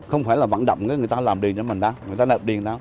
không phải là vận động người ta làm điền cho mình đâu người ta nợ điền đâu